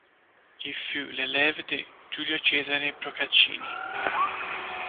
Il fut l'élève de Giulio Cesare Procaccini.